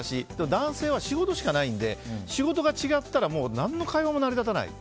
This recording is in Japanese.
男性は仕事しかないので仕事が違ったらもう何の会話も成り立たない。